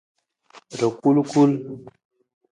Rakulkul.